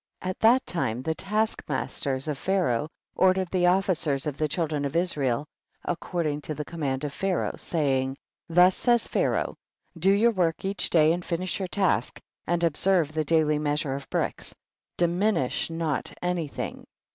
12. At that time the taskmasters of Pharaoh ordered the officers of the children of Israel according to the command of Pharaoh, saying, 13. Thus says Pharaoh, do your work each day, and finish your task, and observe the daily measure of bricks ; diminish not any thing.